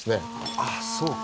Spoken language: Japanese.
ああそうか。